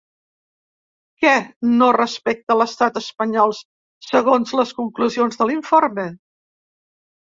Què no respecta l'estat espanyol segons les conclusions de l'informe?